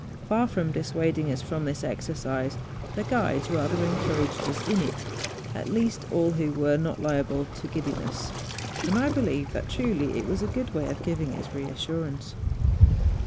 Far from dissuading us from this exercise, the guides rather encouraged us in it, at least all who were not liable to giddiness ; and I believe that truly it was a good way of giving us assurance.